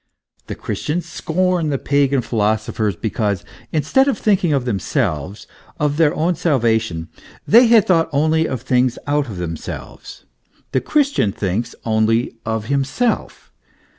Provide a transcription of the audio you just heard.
The Chris tians scorned the pagan philosophers because, instead of think ing of themselves, of their own salvation, they had thought only of things out of themselves. The Christian thinks only of himself.